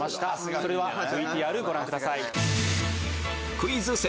それではＶＴＲご覧ください。